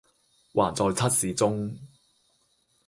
還在測試中